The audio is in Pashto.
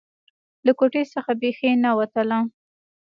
له کوټې څخه بيخي نه وتله.